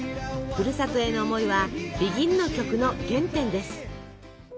ふるさとへの思いはＢＥＧＩＮの曲の原点です。